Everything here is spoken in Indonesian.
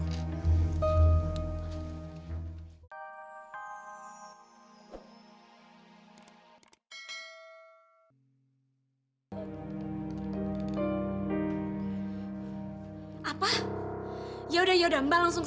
tapi dia kesakitan sekali loh sus